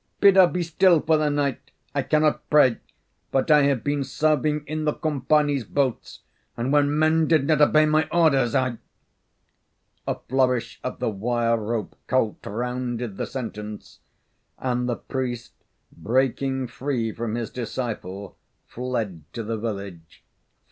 Bid her be still for the night. I cannot pray, but I have been serving in the Kumpani's boats, and when men did not obey my orders I " A flourish of the wire rope colt rounded the sentence, and the priest, breaking free from his disciple, fled to the village.